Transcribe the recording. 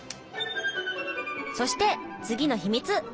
そして次の秘密！